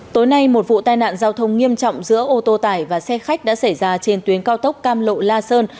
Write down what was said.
tối nay một vụ tai nạn giao thông nghiêm trọng giữa ô tô tải và xe khách đã xảy ra trên tuyến cao tốc cam lộ la sơn